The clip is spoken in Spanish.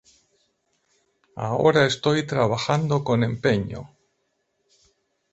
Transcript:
Ahora estoy trabajando con empeño.